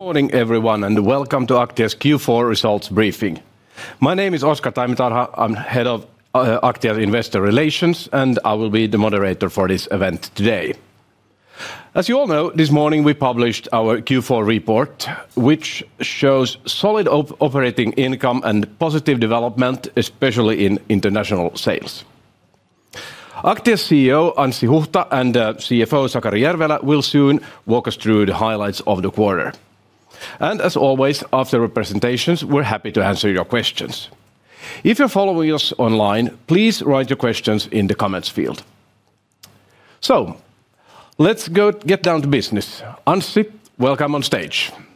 Good morning, everyone, and welcome to Aktia's Q4 results briefing. My name is Oscar Taimitarha. I'm Head of Aktia Investor Relations, and I will be the moderator for this event today. As you all know, this morning we published our Q4 report, which shows solid operating income and positive development, especially in international sales. Aktia's CEO, Anssi Huhta, and CFO, Sakari Järvelä, will soon walk us through the highlights of the quarter. And as always, after presentations, we're happy to answer your questions. If you're following us online, please write your questions in the comments field. So, let's go get down to business. Anssi, welcome on stage. Thank you,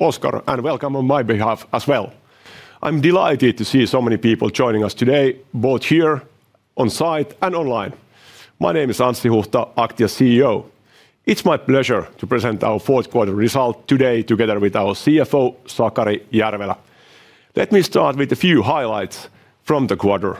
Oscar, and welcome on my behalf as well. I'm delighted to see so many people joining us today, both here on site and online. My name is Anssi Huhta, Aktia CEO. It's my pleasure to present our fourth quarter result today, together with our CFO, Sakari Järvelä. Let me start with a few highlights from the quarter.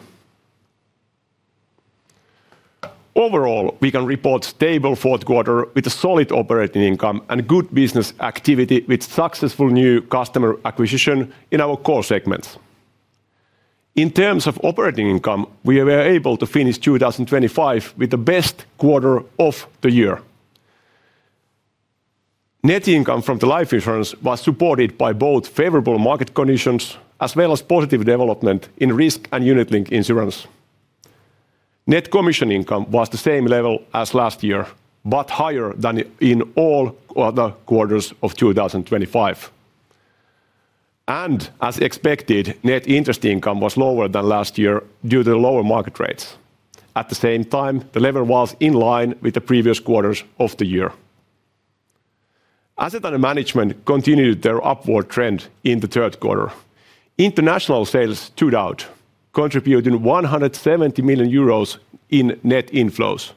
Overall, we can report stable fourth quarter with a solid operating income and good business activity, with successful new customer acquisition in our core segments. In terms of operating income, we were able to finish 2025 with the best quarter of the year. Net income from the life insurance was supported by both favorable market conditions as well as positive development in risk and unit-link insurance. Net commission income was the same level as last year, but higher than in all other quarters of 2025. As expected, net interest income was lower than last year due to lower market rates. At the same time, the level was in line with the previous quarters of the year. Assets under management continued their upward trend in the third quarter. International sales stood out, contributing 170 million euros in net inflows.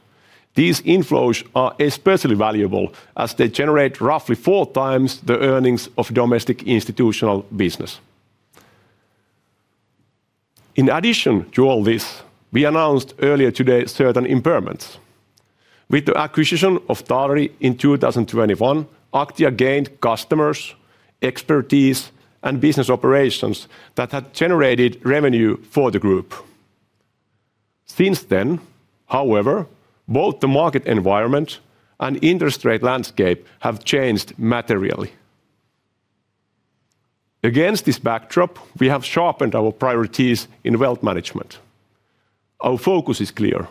These inflows are especially valuable, as they generate roughly four times the earnings of domestic institutional business. In addition to all this, we announced earlier today certain impairments. With the acquisition of Taaleri in 2021, Aktia gained customers, expertise, and business operations that had generated revenue for the group. Since then, however, both the market environment and interest rate landscape have changed materially. Against this backdrop, we have sharpened our priorities in wealth management. Our focus is clear: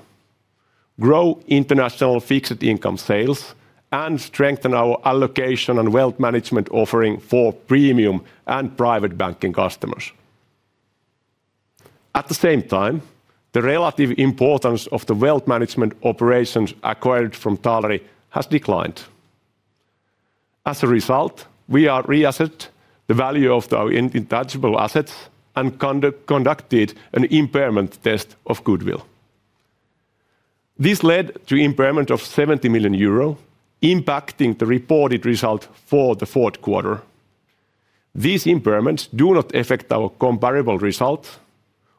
grow international fixed income sales and strengthen our allocation and wealth management offering for Premium Banking and Private Banking customers. At the same time, the relative importance of the wealth management operations acquired from Taaleri has declined. As a result, we are reassess the value of our intangible assets and conducted an impairment test of goodwill. This led to impairment of 70 million euro, impacting the reported result for the fourth quarter. These impairments do not affect our comparable result,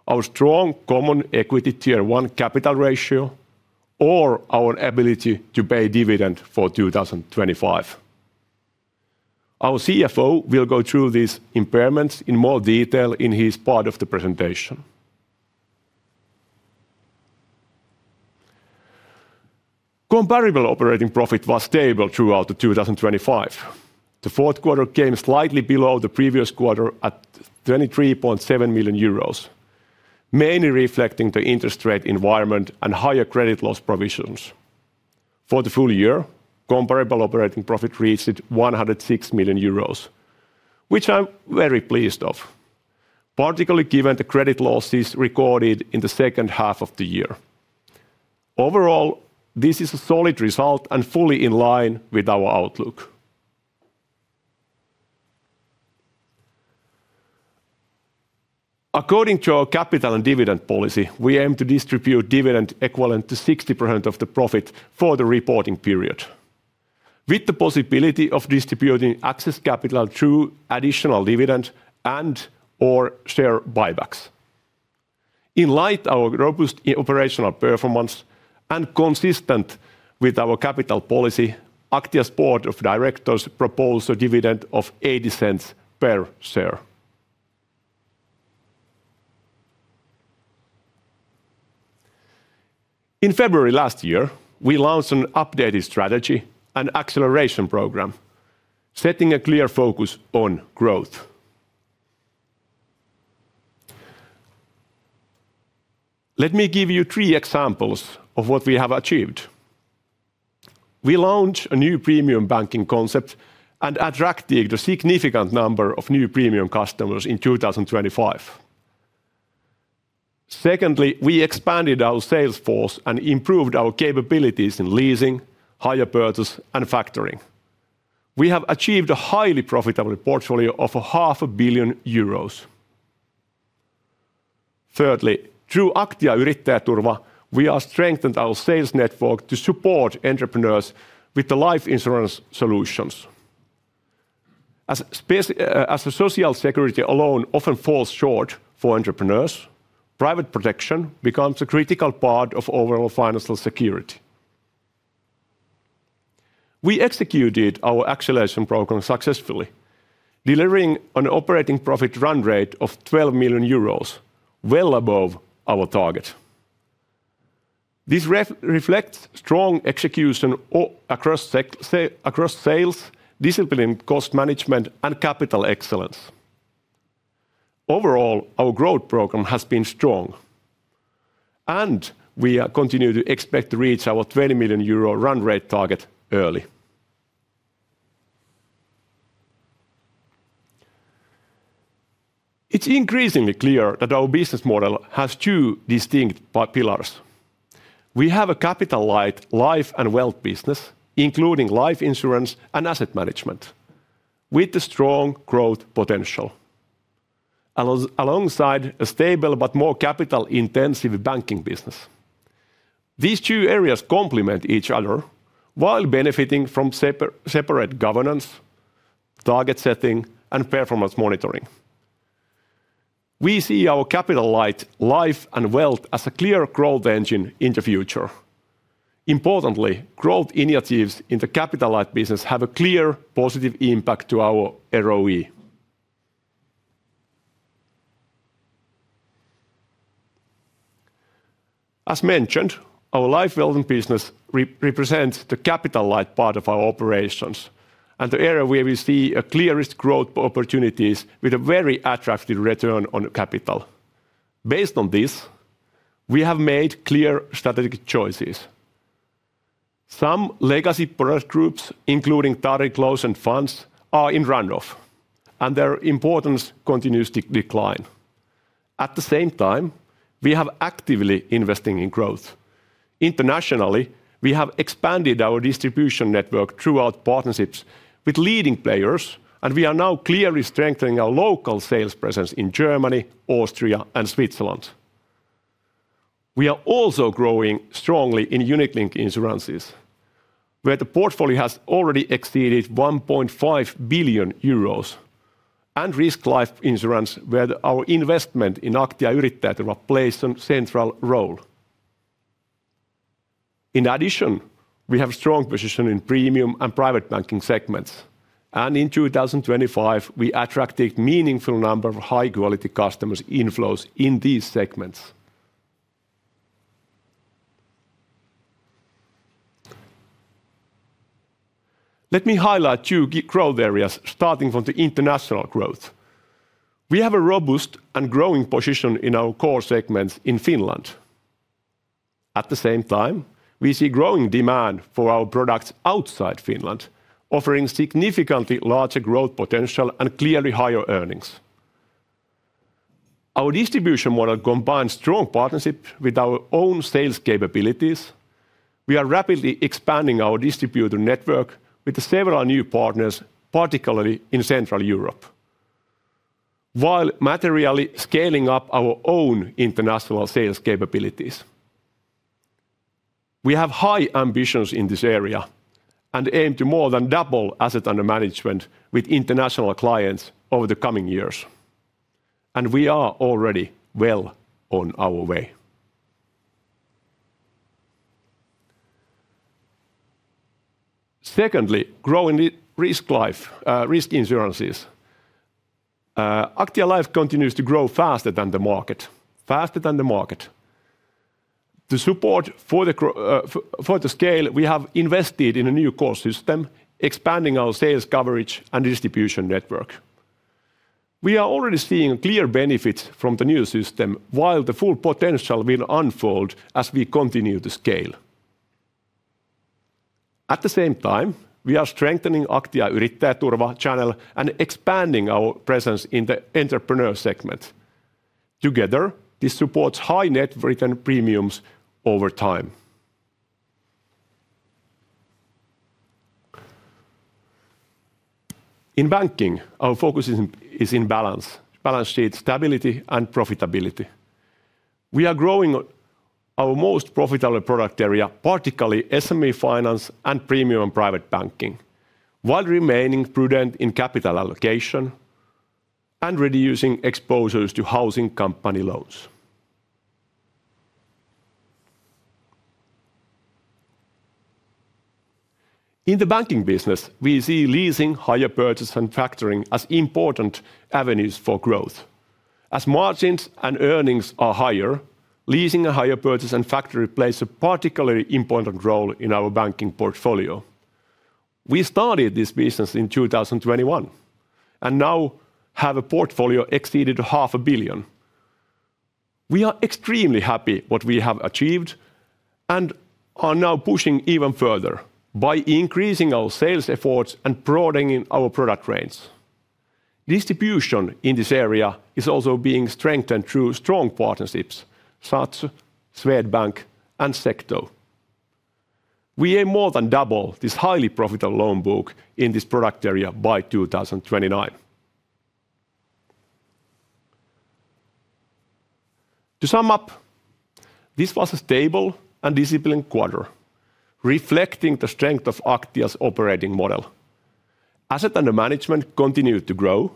our strong common equity Tier 1 capital ratio, or our ability to pay dividend for 2025. Our CFO will go through these impairments in more detail in his part of the presentation. Comparable operating profit was stable throughout 2025. The fourth quarter came slightly below the previous quarter at 23.7 million euros, mainly reflecting the interest rate environment and higher credit loss provisions. For the full year, comparable operating profit reached 106 million euros, which I'm very pleased of, particularly given the credit losses recorded in the second half of the year. Overall, this is a solid result and fully in line with our outlook. According to our capital and dividend policy, we aim to distribute dividend equivalent to 60% of the profit for the reporting period, with the possibility of distributing excess capital through additional dividend and/or share buybacks. In light of our robust operational performance and consistent with our capital policy, Aktia's Board of Directors propose a dividend of 0.80 per share. In February last year, we launched an updated strategy and acceleration program, setting a clear focus on growth. Let me give you three examples of what we have achieved. We launched a new Premium Banking concept and attracted a significant number of new premium customers in 2025. Secondly, we expanded our sales force and improved our capabilities in leasing, hire purchase, and factoring. We have achieved a highly profitable portfolio of 500 million euros. Thirdly, through Aktia Yrittäjäturva, we are strengthened our sales network to support entrepreneurs with the life insurance solutions. As the Social Security alone often falls short for entrepreneurs, private protection becomes a critical part of overall financial security. We executed our acceleration program successfully, delivering an operating profit run rate of 12 million euros, well above our target. This reflects strong execution across sales, discipline, cost management, and capital excellence. Overall, our growth program has been strong, and we continue to expect to reach our 20 million euro run rate target early. It's increasingly clear that our business model has two distinct pillars. We have a capital-light life and wealth business, including life insurance and asset management, with a strong growth potential, alongside a stable but more capital-intensive banking business. These two areas complement each other while benefiting from separate governance, target setting, and performance monitoring. We see our capital-light life and wealth as a clear growth engine in the future. Importantly, growth initiatives in the capital-light business have a clear positive impact to our ROE. As mentioned, our life wealth business represents the capital-light part of our operations and the area where we see a clearest growth opportunities with a very attractive return on capital. Based on this, we have made clear strategic choices. Some legacy product groups, including target loans and funds, are in run-off, and their importance continues to decline. At the same time, we have actively investing in growth. Internationally, we have expanded our distribution network through partnerships with leading players, and we are now clearly strengthening our local sales presence in Germany, Austria, and Switzerland. We are also growing strongly in unit-linked insurances, where the portfolio has already exceeded 1.5 billion euros, and risk life insurance, where our investment in Aktia Yrittäjäturva plays some central role. In addition, we have strong position in premium and private banking segments, and in 2025, we attracted meaningful number of high-quality customers' inflows in these segments. Let me highlight two growth areas, starting from the international growth. We have a robust and growing position in our core segments in Finland. At the same time, we see growing demand for our products outside Finland, offering significantly larger growth potential and clearly higher earnings. Our distribution model combines strong partnership with our own sales capabilities. We are rapidly expanding our distributor network with several new partners, particularly in Central Europe, while materially scaling up our own international sales capabilities. We have high ambitions in this area and aim to more than double asset under management with international clients over the coming years, and we are already well on our way. Secondly, growing the risk life, risk insurances. Aktia Life continues to grow faster than the market, faster than the market. To support for the scale, we have invested in a new core system, expanding our sales coverage and distribution network. We are already seeing clear benefits from the new system, while the full potential will unfold as we continue to scale. At the same time, we are strengthening Aktia Yrittäjäturva channel and expanding our presence in the entrepreneur segment. Together, this supports high net written premiums over time. In banking, our focus is in balance sheet stability and profitability. We are growing our most profitable product area, particularly SME finance and premium private banking, while remaining prudent in capital allocation and reducing exposures to housing company loans. In the banking business, we see leasing, hire purchase, and factoring as important avenues for growth. As margins and earnings are higher, leasing and hire purchase and factoring plays a particularly important role in our banking portfolio. We started this business in 2021, and now have a portfolio exceeded 500 million. We are extremely happy what we have achieved and are now pushing even further by increasing our sales efforts and broadening our product range. Distribution in this area is also being strengthened through strong partnerships, such as Swedbank and Secto. We aim to more than double this highly profitable loan book in this product area by 2029. To sum up, this was a stable and disciplined quarter, reflecting the strength of Aktia's operating model. Assets under management continued to grow,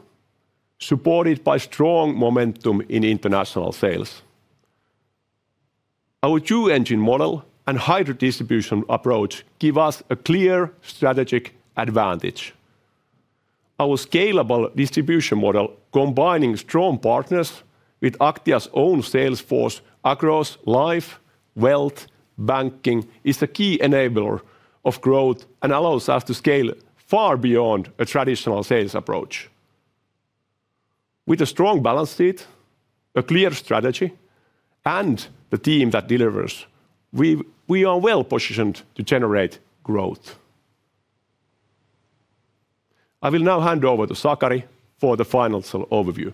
supported by strong momentum in international sales. Our two-engine model and hybrid distribution approach give us a clear strategic advantage. Our scalable distribution model, combining strong partners with Aktia's own sales force across life, wealth, banking, is a key enabler of growth and allows us to scale far beyond a traditional sales approach. With a strong balance sheet, a clear strategy, and the team that delivers, we are well positioned to generate growth. I will now hand over to Sakari for the financial overview.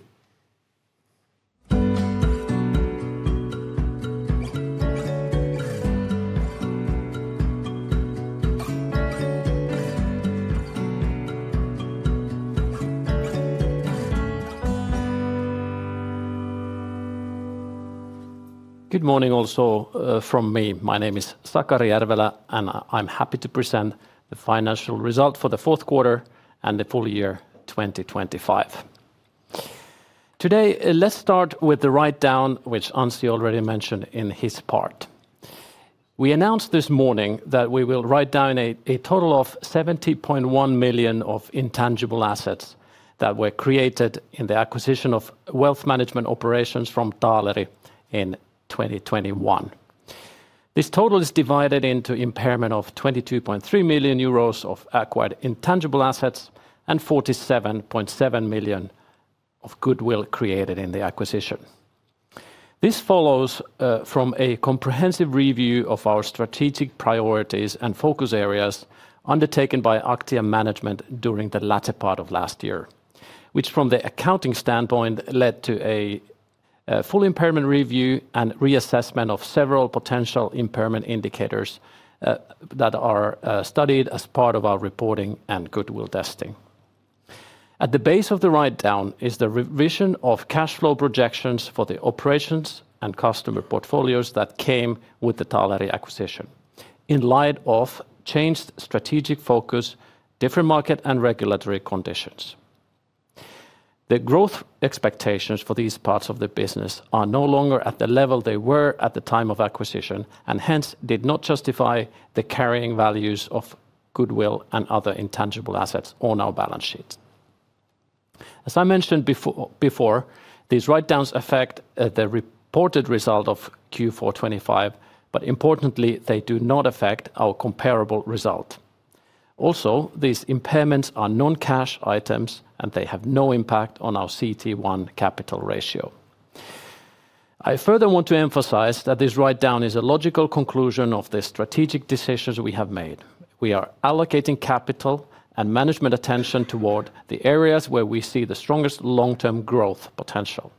Good morning also from me. My name is Sakari Järvelä and I'm happy to present the financial result for the fourth quarter and the full year 2025. Today, let's start with the write-down, which Anssi already mentioned in his part. We announced this morning that we will write down a total of 70.1 million of intangible assets that were created in the acquisition of wealth management operations from Taaleri in 2021. This total is divided into impairment of 22.3 million euros of acquired intangible assets and 47.7 million of goodwill created in the acquisition. This follows from a comprehensive review of our strategic priorities and focus areas undertaken by Aktia management during the latter part of last year, which from the accounting standpoint, led to a full impairment review and reassessment of several potential impairment indicators that are studied as part of our reporting and goodwill testing. At the base of the write-down is the revision of cash flow projections for the operations and customer portfolios that came with the Taaleri acquisition, in light of changed strategic focus, different market and regulatory conditions. The growth expectations for these parts of the business are no longer at the level they were at the time of acquisition, and hence did not justify the carrying values of goodwill and other intangible assets on our balance sheet. As I mentioned before, these write-downs affect the reported result of Q4 2025, but importantly, they do not affect our comparable result. Also, these impairments are non-cash items, and they have no impact on our CET1 capital ratio. I further want to emphasize that this write-down is a logical conclusion of the strategic decisions we have made. We are allocating capital and management attention toward the areas where we see the strongest long-term growth potential.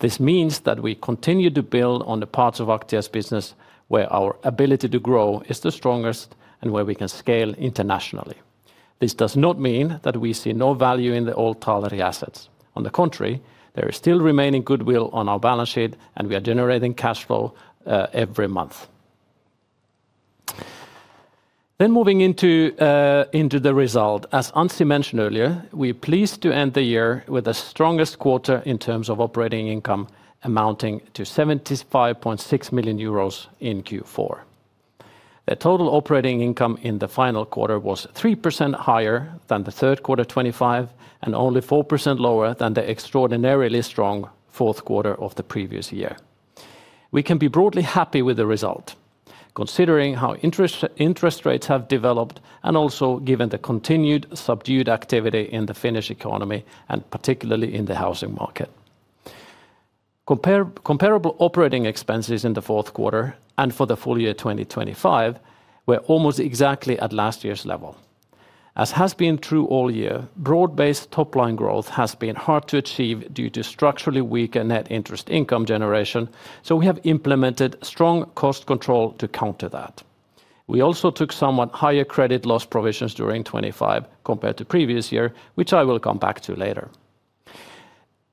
This means that we continue to build on the parts of Aktia's business, where our ability to grow is the strongest and where we can scale internationally. This does not mean that we see no value in the old Taaleri assets. On the contrary, there is still remaining goodwill on our balance sheet, and we are generating cash flow every month. Then moving into the result. As Anssi mentioned earlier, we're pleased to end the year with the strongest quarter in terms of operating income, amounting to 75.6 million euros in Q4. The total operating income in the final quarter was 3% higher than the third quarter 2025, and only 4% lower than the extraordinarily strong fourth quarter of the previous year. We can be broadly happy with the result, considering how interest, interest rates have developed, and also given the continued subdued activity in the Finnish economy, and particularly in the housing market. Comparable operating expenses in the fourth quarter and for the full year 2025 were almost exactly at last year's level. As has been true all year, broad-based top-line growth has been hard to achieve due to structurally weaker net interest income generation, so we have implemented strong cost control to counter that. We also took somewhat higher credit loss provisions during 2025 compared to previous year, which I will come back to later.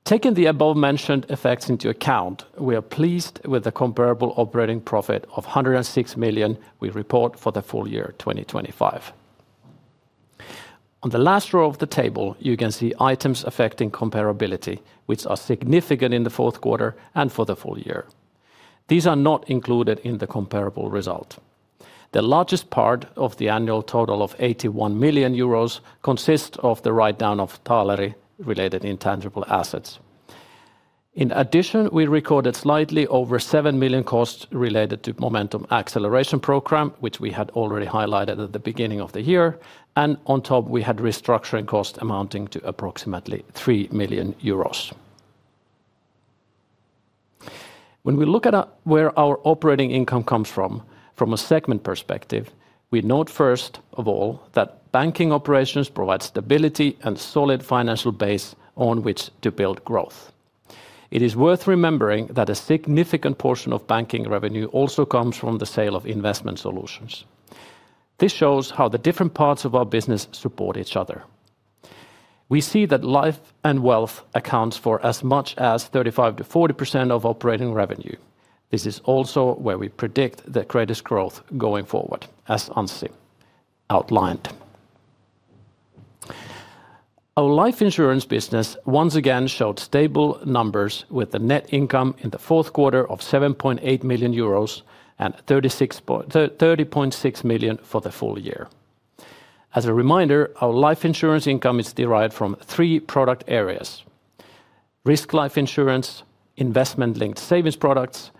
Taking the above mentioned effects into account, we are pleased with the comparable operating profit of 106 million we report for the full year 2025. On the last row of the table, you can see items affecting comparability, which are significant in the fourth quarter and for the full year. These are not included in the comparable result. The largest part of the annual total of 81 million euros consists of the write-down of Taaleri related intangible assets. In addition, we recorded slightly over 7 million costs related to Momentum acceleration program, which we had already highlighted at the beginning of the year, and on top, we had restructuring cost amounting to approximately 3 million euros. When we look at where our operating income comes from a segment perspective, we note first of all, that banking operations provide stability and solid financial base on which to build growth. It is worth remembering that a significant portion of banking revenue also comes from the sale of investment solutions. This shows how the different parts of our business support each other. We see that life and wealth accounts for as much as 35%-40% of operating revenue. This is also where we predict the greatest growth going forward, as Anssi outlined. Our life insurance business once again showed stable numbers, with the net income in the fourth quarter of 7.8 million euros and 30.6 million for the full year. As a reminder, our life insurance income is derived from three product areas: risk life insurance, investment-linked savings products, and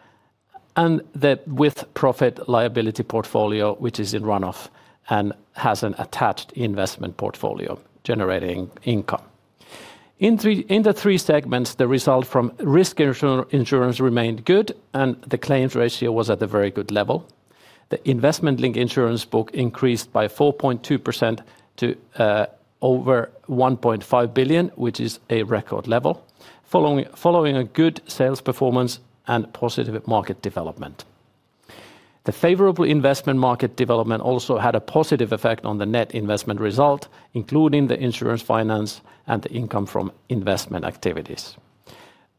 the with-profit liability portfolio, which is in run-off and has an attached investment portfolio generating income. In the three segments, the result from risk insurance remained good, and the claims ratio was at a very good level. The investment-linked insurance book increased by 4.2% to over 1.5 billion, which is a record level. Following a good sales performance and positive market development. The favorable investment market development also had a positive effect on the net investment result, including the insurance, finance, and the income from investment activities.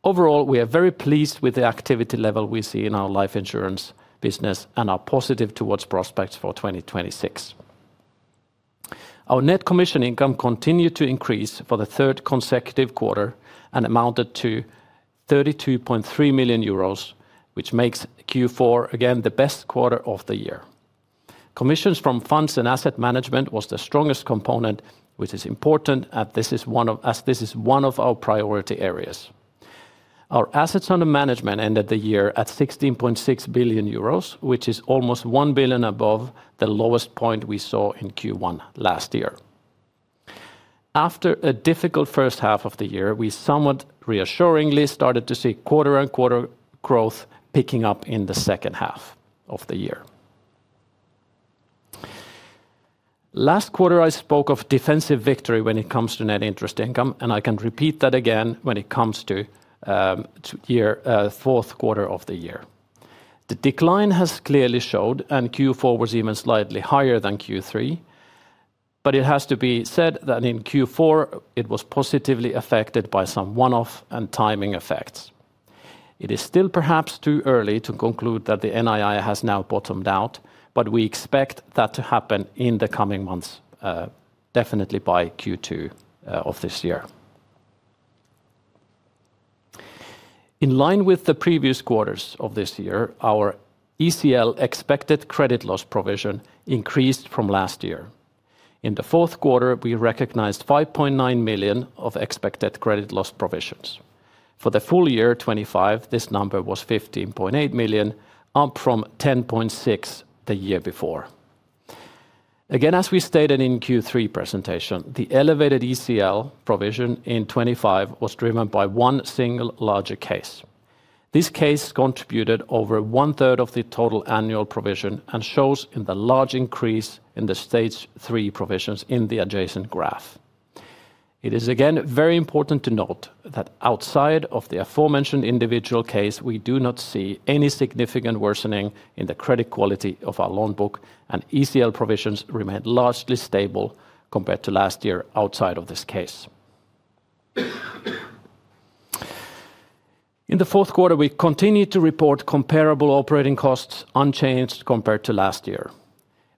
Overall, we are very pleased with the activity level we see in our life insurance business and are positive towards prospects for 2026. Our net commission income continued to increase for the third consecutive quarter and amounted to 32.3 million euros, which makes Q4 again the best quarter of the year. Commissions from funds and asset management was the strongest component, which is important, as this is one of our priority areas. Our assets under management ended the year at 16.6 billion euros, which is almost 1 billion above the lowest point we saw in Q1 last year. After a difficult first half of the year, we somewhat reassuringly started to see quarter-on-quarter growth picking up in the second half of the year. Last quarter, I spoke of defensive victory when it comes to net interest income, and I can repeat that again when it comes to, to year, fourth quarter of the year. The decline has clearly showed, and Q4 was even slightly higher than Q3, but it has to be said that in Q4, it was positively affected by some one-off and timing effects. It is still perhaps too early to conclude that the NII has now bottomed out, but we expect that to happen in the coming months, definitely by Q2, of this year. In line with the previous quarters of this year, our ECL expected credit loss provision increased from last year. In the fourth quarter, we recognized 5.9 million of expected credit loss provisions. For the full year 2025, this number was 15.8 million, up from 10.6 million the year before. Again, as we stated in Q3 presentation, the elevated ECL provision in 2025 was driven by one single larger case. This case contributed over one third of the total annual provision and shows in the large increase in the stage three provisions in the adjacent graph. It is, again, very important to note that outside of the aforementioned individual case, we do not see any significant worsening in the credit quality of our loan book, and ECL provisions remained largely stable compared to last year outside of this case. In the fourth quarter, we continued to report comparable operating costs unchanged compared to last year.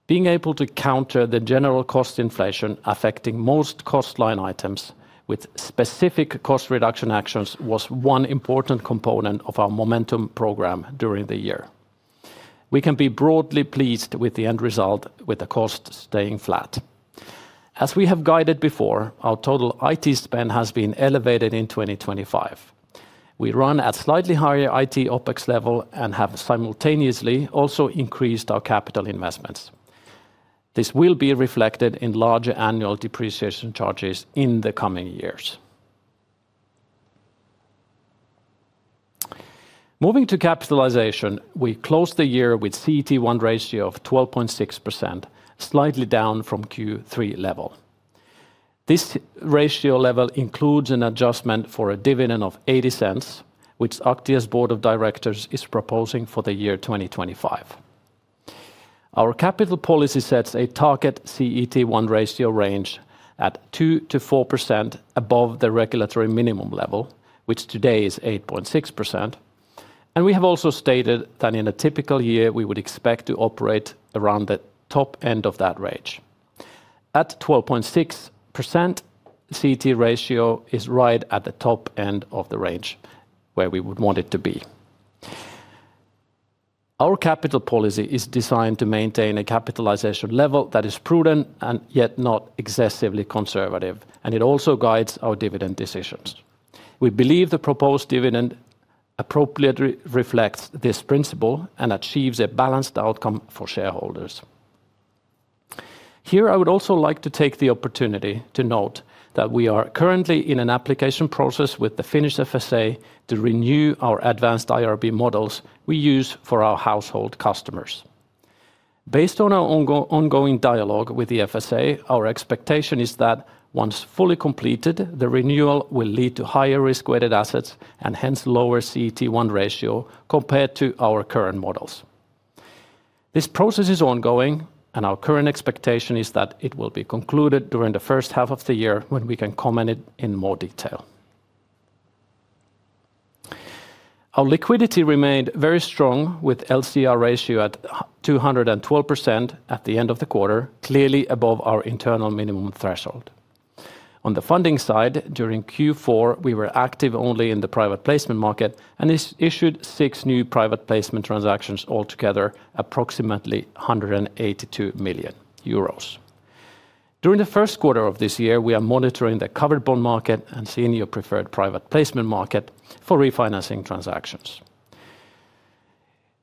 Being able to counter the general cost inflation affecting most cost line items with specific cost reduction actions was one important component of our Momentum program during the year. We can be broadly pleased with the end result, with the cost staying flat. As we have guided before, our total IT spend has been elevated in 2025. We run at slightly higher IT OpEx level and have simultaneously also increased our capital investments. This will be reflected in larger annual depreciation charges in the coming years. Moving to capitalization, we closed the year with CET1 ratio of 12.6%, slightly down from Q3 level. This ratio level includes an adjustment for a dividend of 0.80, which Aktia's Board of Directors is proposing for the year 2025. Our capital policy sets a target CET1 ratio range at 2%-4% above the regulatory minimum level, which today is 8.6%. We have also stated that in a typical year, we would expect to operate around the top end of that range. At 12.6%, CET ratio is right at the top end of the range where we would want it to be. Our capital policy is designed to maintain a capitalization level that is prudent and yet not excessively conservative, and it also guides our dividend decisions. We believe the proposed dividend appropriately reflects this principle and achieves a balanced outcome for shareholders. Here, I would also like to take the opportunity to note that we are currently in an application process with the Finnish FSA to renew our advanced IRB models we use for our household customers. Based on our ongoing dialogue with the FSA, our expectation is that once fully completed, the renewal will lead to higher risk-weighted assets and hence lower CET1 ratio compared to our current models. This process is ongoing, and our current expectation is that it will be concluded during the first half of the year, when we can comment it in more detail. Our liquidity remained very strong, with LCR ratio at 212% at the end of the quarter, clearly above our internal minimum threshold. On the funding side, during Q4, we were active only in the private placement market, and issued six new private placement transactions altogether, approximately 182 million euros. During the first quarter of this year, we are monitoring the covered bond market and senior preferred private placement market for refinancing transactions.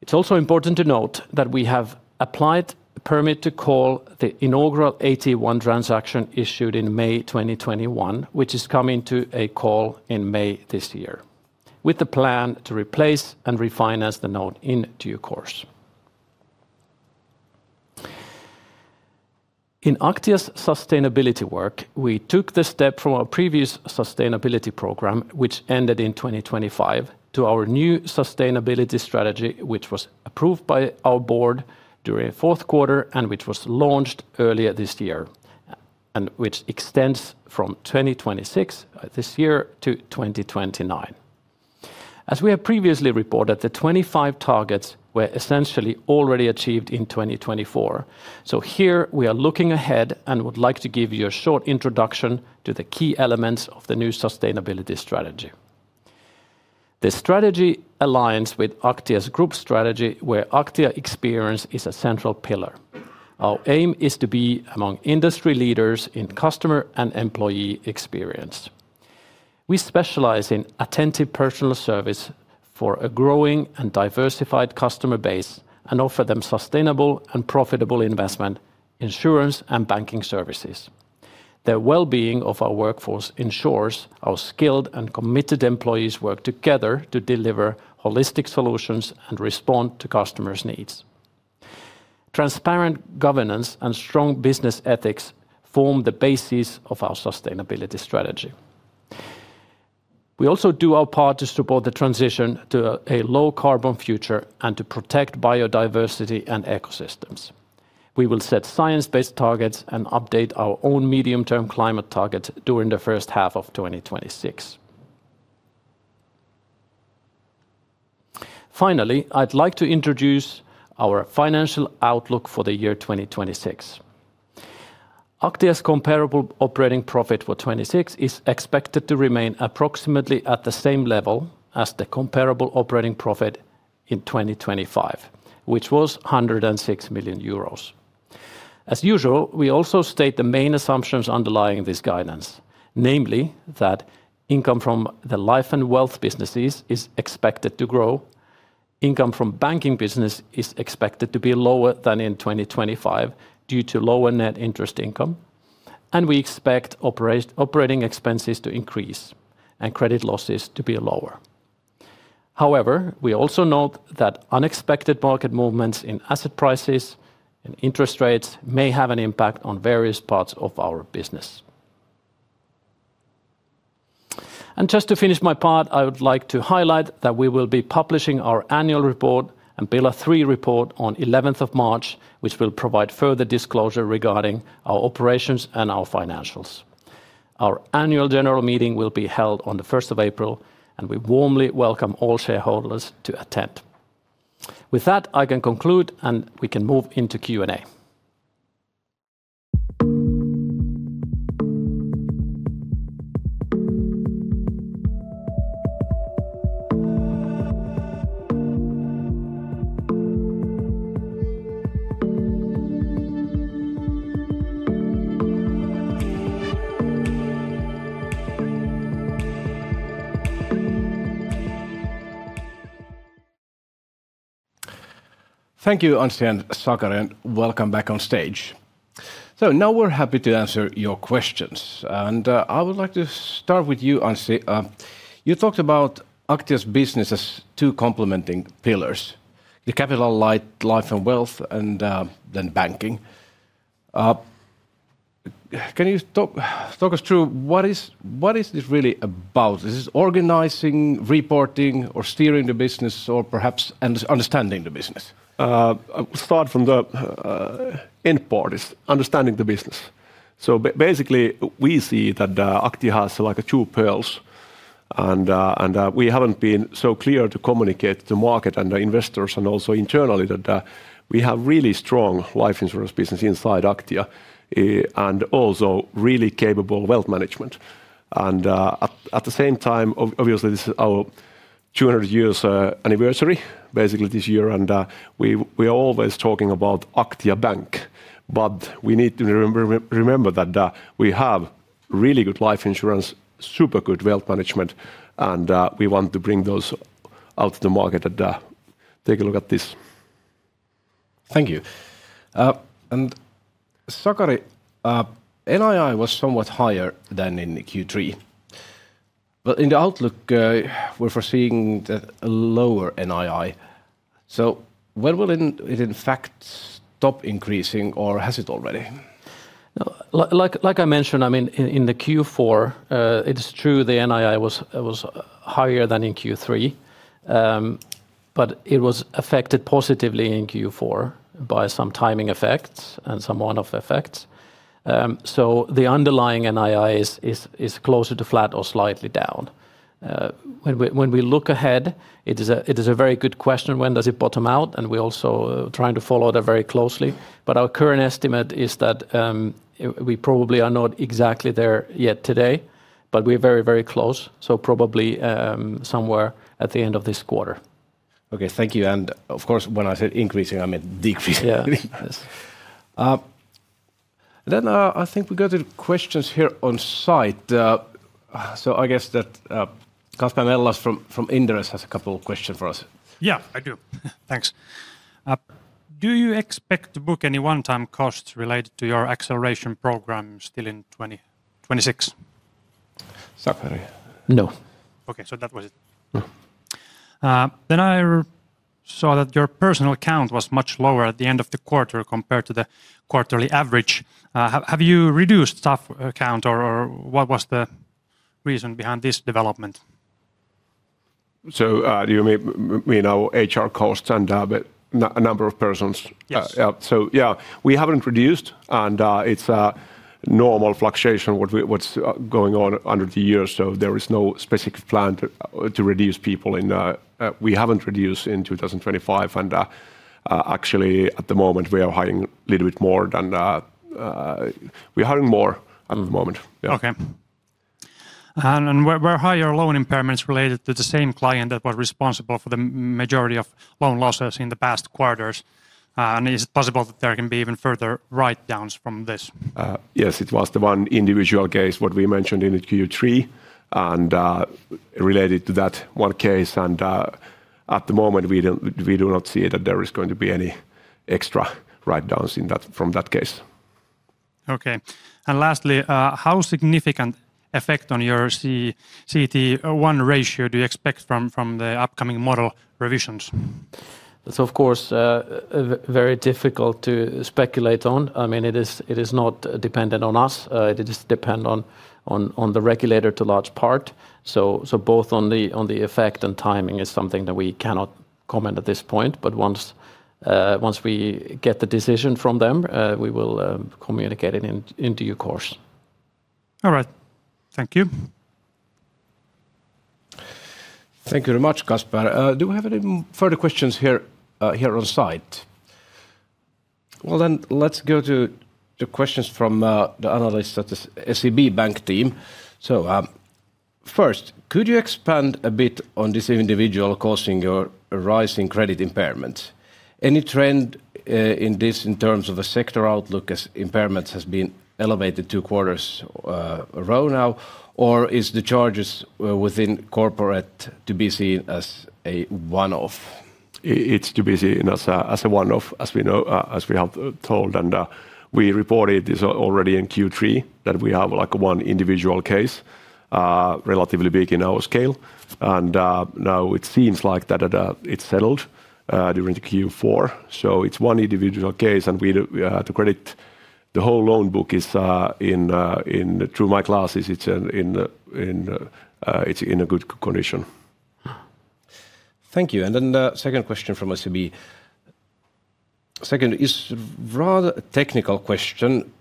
It's also important to note that we have applied a permit to call the inaugural AT1 transaction issued in May 2021, which is coming to a call in May this year, with the plan to replace and refinance the note in due course. In Aktia's sustainability work, we took the step from our previous sustainability program, which ended in 2025, to our new sustainability strategy, which was approved by our board during fourth quarter, and which was launched earlier this year, and which extends from 2026, this year, to 2029. As we have previously reported, the 25 targets were essentially already achieved in 2024, so here we are looking ahead and would like to give you a short introduction to the key elements of the new sustainability strategy. The strategy aligns with Aktia's group strategy, where Aktia experience is a central pillar. Our aim is to be among industry leaders in customer and employee experience. We specialize in attentive personal service for a growing and diversified customer base, and offer them sustainable and profitable investment, insurance, and banking services. The well-being of our workforce ensures our skilled and committed employees work together to deliver holistic solutions and respond to customers' needs. Transparent governance and strong business ethics form the basis of our sustainability strategy. We also do our part to support the transition to a low-carbon future and to protect biodiversity and ecosystems. We will set science-based targets and update our own medium-term climate targets during the first half of 2026. Finally, I'd like to introduce our financial outlook for the year 2026. Aktia's comparable operating profit for 2026 is expected to remain approximately at the same level as the comparable operating profit in 2025, which was 106 million euros. As usual, we also state the main assumptions underlying this guidance, namely, that income from the life and wealth businesses is expected to grow, income from banking business is expected to be lower than in 2025 due to lower net interest income, and we expect operating expenses to increase and credit losses to be lower. However, we also note that unexpected market movements in asset prices and interest rates may have an impact on various parts of our business. Just to finish my part, I would like to highlight that we will be publishing our annual report and Pillar 3 report on eleventh of March, which will provide further disclosure regarding our operations and our financials. Our annual general meeting will be held on the first of April, and we warmly welcome all shareholders to attend. With that, I can conclude, and we can move into Q&A. Thank you, Anssi and Sakari, and welcome back on stage. So now we're happy to answer your questions, and I would like to start with you, Anssi. You talked about Aktia's business as two complementing pillars: the capital-light life and wealth, and then banking. Can you talk us through what is this really about? Is this organizing, reporting, or steering the business, or perhaps understanding the business? I'll start from the end part, is understanding the business. So basically, we see that Aktia has, like, two pillars, and we haven't been so clear to communicate to market and the investors and also internally that we have really strong life insurance business inside Aktia and also really capable wealth management. And at the same time, obviously, this is our 200-year anniversary, basically, this year, and we are always talking about Aktia Bank, but we need to remember that we have really good life insurance, super good wealth management, and we want to bring those out to the market and take a look at this. Thank you. And Sakari, NII was somewhat higher than in Q3. In the outlook, we're foreseeing a lower NII. So when will it in fact stop increasing, or has it already? No, like I mentioned, I mean, in the Q4, it is true the NII was, it was higher than in Q3, but it was affected positively in Q4 by some timing effects and some one-off effects. So the underlying NII is closer to flat or slightly down. When we look ahead, it is a very good question, when does it bottom out? And we're also trying to follow that very closely. But our current estimate is that, we probably are not exactly there yet today, but we're very, very close, so probably, somewhere at the end of this quarter. Okay, thank you. Of course, when I said increasing, I meant decreasing. Yeah. Yes. Then, I think we go to the questions here on site. So I guess that Kasper Mellas from Inderes has a couple of questions for us. Yeah, I do. Thanks. Do you expect to book any one-time costs related to your acceleration program still in 2026? Sakari? No. Okay, so that was it. Mm. Then I saw that your personnel costs were much lower at the end of the quarter compared to the quarterly average. Have you reduced staff costs, or what was the reason behind this development? So, do you mean our HR costs and but number of persons? Yes. Yeah. So, yeah, we haven't reduced, and it's a normal fluctuation what's going on during the year, so there is no specific plan to reduce people in... We haven't reduced in 2025, and actually, at the moment, we are hiring a little bit more than... We're hiring more at the moment. Yeah. Okay. And where higher loan impairments related to the same client that was responsible for the majority of loan losses in the past quarters, and is it possible that there can be even further write-downs from this? Yes, it was the one individual case, what we mentioned in the Q3, and related to that one case, and at the moment, we do not see that there is going to be any extra write-downs in that from that case. Okay. And lastly, how significant effect on your CET1 ratio do you expect from the upcoming model revisions? It's of course very difficult to speculate on. I mean, it is not dependent on us. It is dependent on the regulator to large part. So both on the effect and timing is something that we cannot comment at this point, but once we get the decision from them, we will communicate it, of course. All right. Thank you. Thank you very much, Kasper. Do we have any further questions here on site? Well, then, let's go to the questions from the analysts at the SEB Bank team. So, first, could you expand a bit on this individual causing your rise in credit impairment? Any trend in this in terms of a sector outlook, as impairments has been elevated two quarters a row now, or is the charges within corporate to be seen as a one-off? It's to be seen as a one-off, as we know, as we have told. And we reported this already in Q3, that we have, like, one individual case relatively big in our scale. And now it seems like that it's settled during the Q4. So it's one individual case, and we the credit, the whole loan book is in a good condition. Thank you, and then the second question from SEB. Second is rather a technical question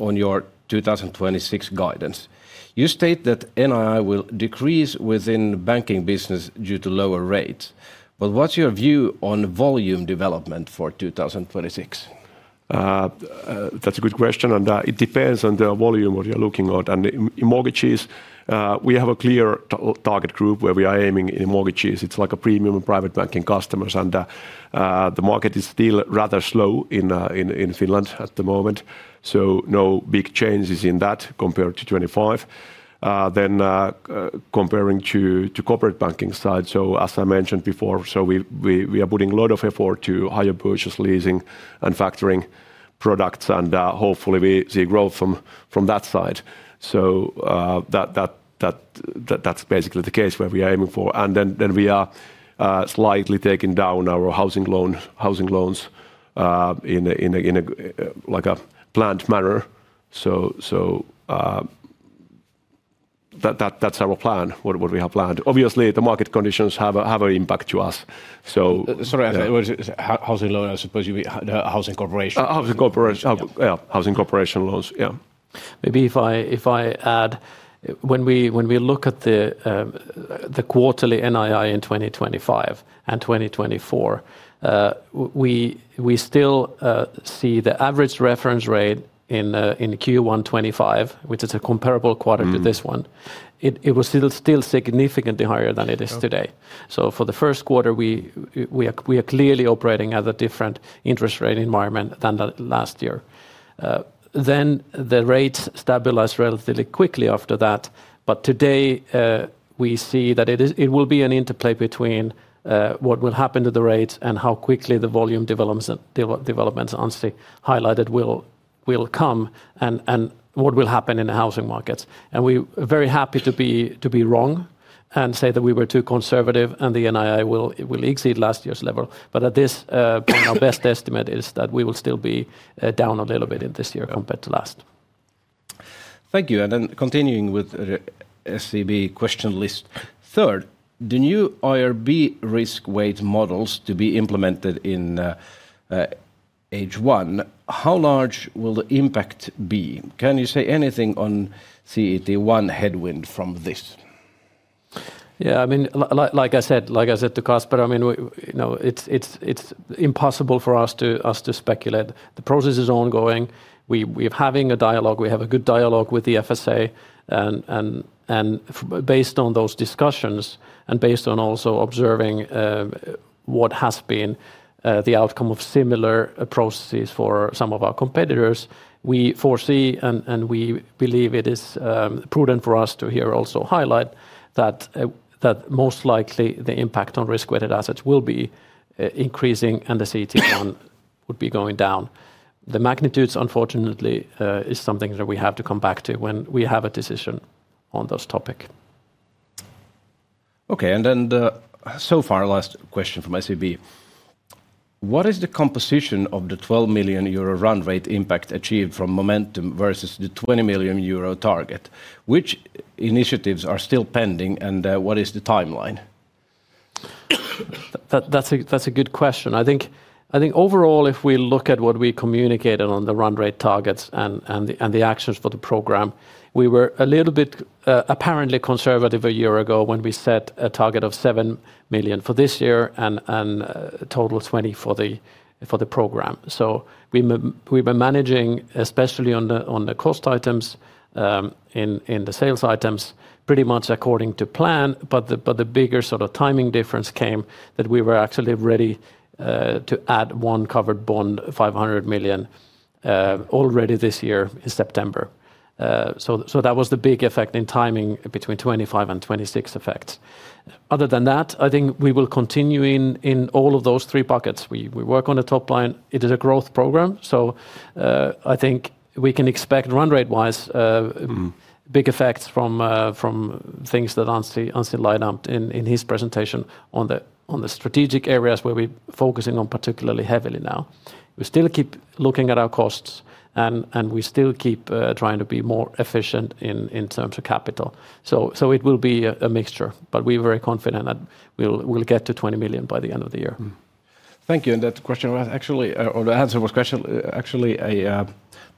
on your 2026 guidance. You state that NII will decrease within banking business due to lower rates, but what's your view on volume development for 2026? That's a good question, and it depends on the volume what you're looking at. And in mortgages, we have a clear target group where we are aiming in mortgages. It's like a premium private banking customers, and the market is still rather slow in Finland at the moment, so no big changes in that compared to 2025. Then, comparing to the corporate banking side, so as I mentioned before, so we are putting a lot of effort to hire purchase leasing and factoring products, and hopefully we see growth from that side. So, that's basically the case where we are aiming for. And then we are slightly taking down our housing loan, housing loans, in a like a planned manner. So, that's our plan, what we have planned. Obviously, the market conditions have an impact to us, so- Sorry, housing loan. I suppose you mean housing corporation. Housing corporation. Yeah. Yeah, housing company loans, yeah. Maybe if I add, when we look at the quarterly NII in 2025 and 2024, we still see the average reference rate in Q1 2025, which is a comparable quarter to this one. It was still significantly higher than it is today. Sure. So for the first quarter, we are clearly operating at a different interest rate environment than the last year. Then the rates stabilized relatively quickly after that, but today we see that it is. It will be an interplay between what will happen to the rates and how quickly the volume develops and developments honestly highlighted will come and what will happen in the housing markets. And we are very happy to be wrong and say that we were too conservative, and the NII will exceed last year's level, but at this our best estimate is that we will still be down a little bit in this year compared to last. Thank you, and then continuing with, SEB question list. Third, the new IRB risk weight models to be implemented in, H1, how large will the impact be? Can you say anything on CET1 headwind from this? Yeah, I mean, like I said, like I said to Kasper, You know, it's impossible for us to speculate. The process is ongoing. We're having a dialogue. We have a good dialogue with the FSA, and based on those discussions, and based on also observing what has been the outcome of similar processes for some of our competitors, we foresee and we believe it is prudent for us to here also highlight that most likely the impact on risk-weighted assets will be increasing, and the CET1 would be going down. The magnitudes, unfortunately, is something that we have to come back to when we have a decision on this topic. Okay, and then the so far last question from SEB: What is the composition of the 12 million euro run rate impact achieved from momentum versus the 20 million euro target? Which initiatives are still pending, and what is the timeline? That's a good question. I think overall, if we look at what we communicated on the run rate targets and the actions for the program, we were a little bit apparently conservative a year ago when we set a target of 7 million for this year and a total of 20 million for the program. So we've been managing, especially on the cost items in the sales items, pretty much according to plan, but the bigger sort of timing difference came that we were actually ready to add one covered bond, 500 million, already this year in September. So that was the big effect in timing between 2025 and 2026 effects. Other than that, I think we will continue in all of those three buckets. We work on the top line. It is a growth program, so I think we can expect run rate-wise big effects from things that Anssi lined up in his presentation on the strategic areas where we're focusing on particularly heavily now. We still keep looking at our costs, and we still keep trying to be more efficient in terms of capital. So it will be a mixture, but we're very confident that we'll get to 20 million by the end of the year. Thank you, and that question was actually a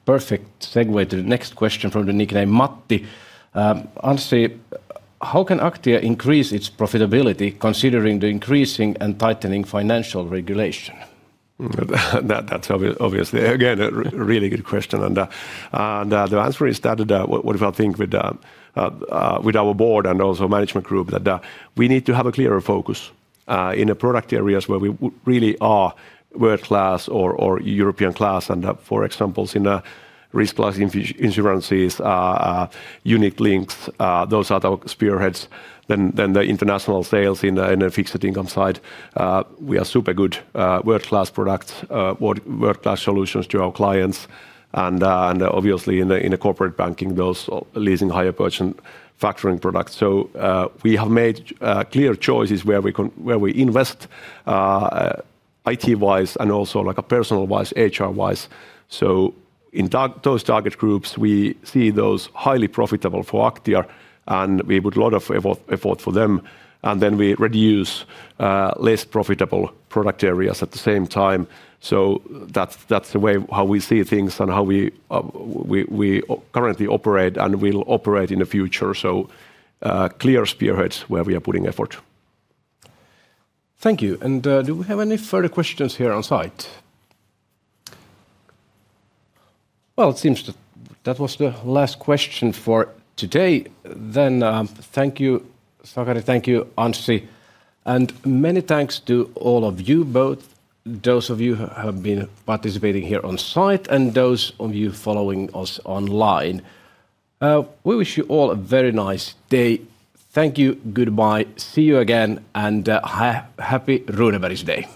perfect segue to the next question from the nickname Matti. Anssi, how can Aktia increase its profitability, considering the increasing and tightening financial regulation? That's obviously, again, a really good question. And the answer is that what I think with our board and also management group, that we need to have a clearer focus in the product areas where we really are world-class or European-class. And for examples, in risk plus insurances, unit-linked, those are our spearheads. Then the international sales in the fixed income side, we are super good, world-class products, world-class solutions to our clients. And obviously, in the corporate banking, those leasing hire purchase factoring products. So we have made clear choices where we invest IT-wise, and also, like, personnel-wise, HR-wise. So in those target groups, we see those highly profitable for Aktia, and we put a lot of effort for them, and then we reduce less profitable product areas at the same time. So that's the way how we see things and how we currently operate and will operate in the future, so clear spearheads where we are putting effort. Thank you, and, do we have any further questions here on site? Well, it seems that that was the last question for today. Then, thank you, Sakari, thank you, Anssi, and many thanks to all of you, both those of you who have been participating here on site and those of you following us online. We wish you all a very nice day. Thank you. Goodbye. See you again, and, happy Runeberg's Day!